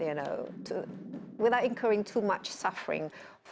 tanpa membuat penyakit terlalu banyak